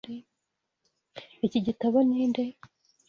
Iki gitabo ni nde?